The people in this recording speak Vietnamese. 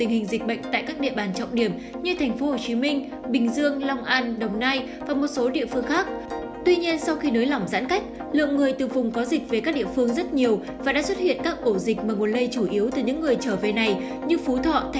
hãy đăng ký kênh để ủng hộ kênh của chúng mình nhé